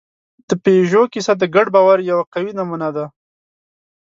د پيژو کیسه د ګډ باور یوه قوي نمونه ده.